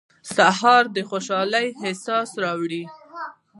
سهار د خوشحالۍ احساس راولي.